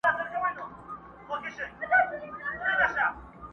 یو نفس به مي هېر نه سي زه هغه بې وفا نه یم!!